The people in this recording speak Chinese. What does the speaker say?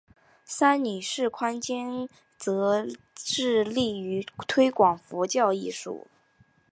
三女释宽谦则致力于推广佛教艺术。